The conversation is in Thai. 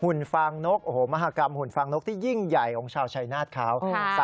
ฟางนกโอ้โหมหากรรมหุ่นฟางนกที่ยิ่งใหญ่ของชาวชายนาฏเขา